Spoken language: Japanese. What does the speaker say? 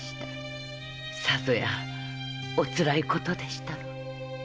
さぞやお辛いことでしたろう。